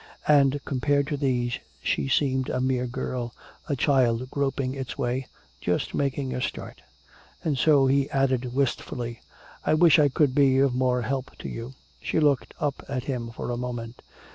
And compared to these she seemed a mere girl, a child groping its way, just making a start. And so he added wistfully, "I wish I could be of more help to you." She looked up at him for a moment.